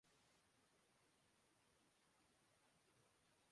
مصباح الحق کا نام تیز ترین ٹیسٹ سنچری بنانے والوںمیں شامل